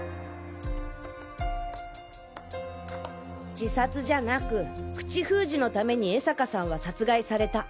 自殺じゃなく口封じのために江坂さんは殺害された。